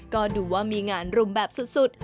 ก็ดูว่ามีงานรุมแบบสุด